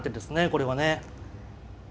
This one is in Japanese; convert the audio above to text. これはね。